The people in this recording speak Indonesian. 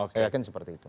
saya yakin seperti itu